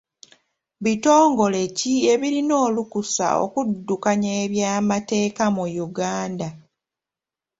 Bitongole ki ebirina olukusa okuddukanya eby'amateeka mu Uganda?